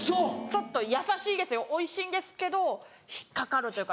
ちょっとやさしいですよおいしいんですけど引っかかるというか。